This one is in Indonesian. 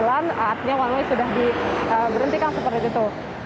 artinya one way sudah diberhentikan seperti itu